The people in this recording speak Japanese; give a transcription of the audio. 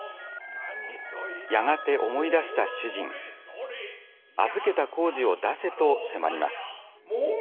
やがて思い出した主人「預けた柑子を出せ」と迫ります。